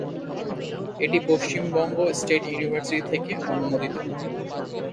এটি Paschimbanga state university থেকে অনুমোদিত।